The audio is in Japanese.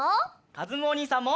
かずむおにいさんも！